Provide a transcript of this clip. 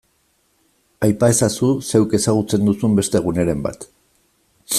Aipa ezazu zeuk ezagutzen duzun beste guneren bat.